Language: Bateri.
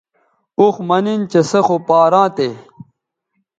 اوخ مہ نِن چہ سے خو پاراں تھے